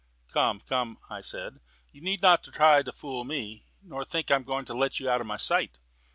"Come, come," I said, "you need not try to fool me, nor think I am going to let you out of my sight."